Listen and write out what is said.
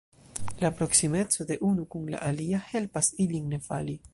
La proksimeco de unu kun la alia helpas ilin ne fali.